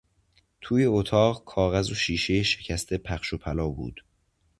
توی اتاق، کاغذ و شیشه شکسته پخش و پلا بود.